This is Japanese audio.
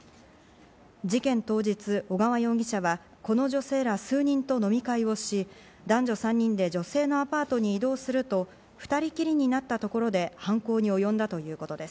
事件当日、小川容疑者は、この女性ら数人と飲み会をし、男女３人で女性のアパートに移動すると２人きりになったところで犯行におよんだということです。